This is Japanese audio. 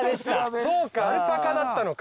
そうかアルパカだったのか。